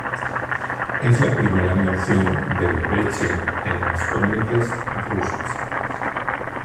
Es la primera mención del veche en las crónicas rusas.